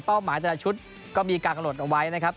หมายแต่ละชุดก็มีการกำหนดเอาไว้นะครับ